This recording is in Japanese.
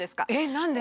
何で？